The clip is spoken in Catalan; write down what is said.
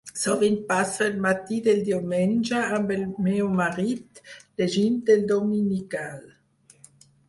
Sovint passo el matí del diumenge amb el meu marit, llegint el dominical.